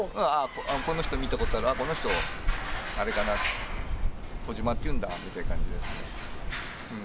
この人見たことある、あっ、この人、あれかな、小島っていうんだって感じですね。